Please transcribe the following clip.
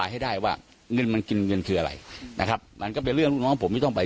ให้ได้ว่าเงินมันกินเงินคืออะไรนะครับมันก็เป็นเรื่องลูกน้องผมไม่ต้องไป